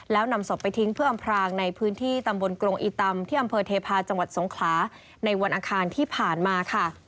แล้วนำศพไปทิ้งเพื่ออำพรางในพื้นที่ตำบลกรงอีตำที่อำเภอเทพาะจังหวัดสงขลาในวันอังคารที่ผ่านมาค่ะ